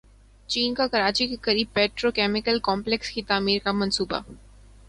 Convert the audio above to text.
چین کا کراچی کے قریب پیٹرو کیمیکل کمپلیکس کی تعمیر کا منصوبہ